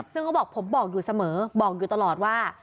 ซึ่งเขาบอกผมบอกอยู่เสมอบอกอยู่ตลอดว่า